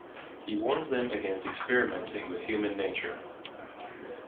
He warns them against experimenting with human nature.